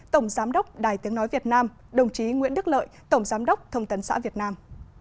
tổng giám đốc đài tiếng nói việt nam đồng chí nguyễn đức lợi tổng giám đốc thông tấn xã việt nam